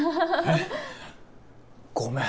えっごめん。